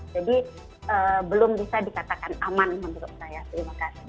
jadi belum bisa dikatakan aman menurut saya terima kasih